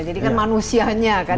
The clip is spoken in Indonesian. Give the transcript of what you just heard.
jadi kan manusianya